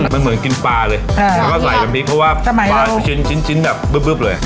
มันเหมือนกินปลาเลยแล้วก็ใส่น้ำพริกเพราะว่าปลาชิ้นแบบบึ๊บเลย